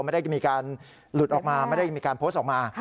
ไม่ได้มีการหลุดออกมาไม่ได้มีการโพสต์ออกมา